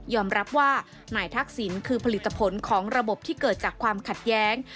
รับว่านายทักษิณคือผลิตผลของระบบที่เกิดจากความขัดแย้ง